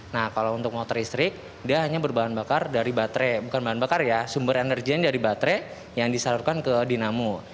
nah kalau untuk motor listrik dia hanya berbahan bakar dari baterai bukan bahan bakar ya sumber energinya dari baterai yang disalurkan ke dinamo